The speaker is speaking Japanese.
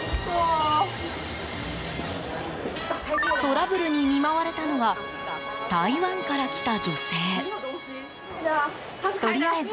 トラブルに見舞われたのは台湾から来た女性。